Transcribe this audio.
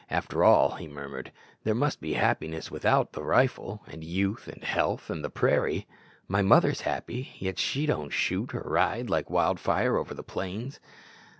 "After all," he murmured, "there must be happiness without the rifle, and youth, and health, and the prairie! My mother's happy, yet she don't shoot, or ride like wild fire over the plains."